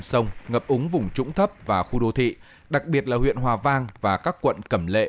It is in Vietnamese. sông ngập úng vùng trũng thấp và khu đô thị đặc biệt là huyện hòa vang và các quận cẩm lệ